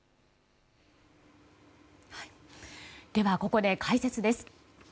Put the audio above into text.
ここで解説です。